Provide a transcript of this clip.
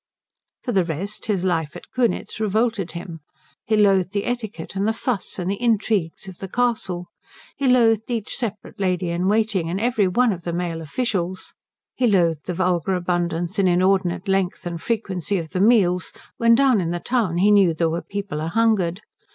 For the rest, his life at Kunitz revolted him. He loathed the etiquette and the fuss and the intrigues of the castle. He loathed each separate lady in waiting, and every one of the male officials. He loathed the vulgar abundance and inordinate length and frequency of the meals, when down in the town he knew there were people a hungered.